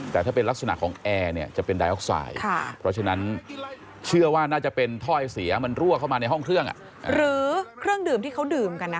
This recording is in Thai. แต่ถ้าเป็นลักษณะของแอร์จะเป็นไนออกไซด์